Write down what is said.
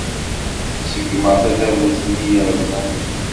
Ṣeggmeɣ tadabut-nni yerrẓen.